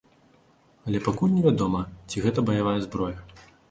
Але пакуль невядома, ці гэта баявая зброя.